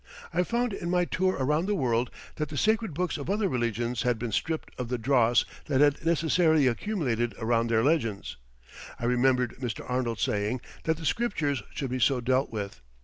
I found in my tour around the world that the sacred books of other religions had been stripped of the dross that had necessarily accumulated around their legends. I remembered Mr. Arnold saying that the Scriptures should be so dealt with.